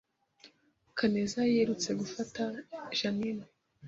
Kaneza yirutse gufata Jeaninne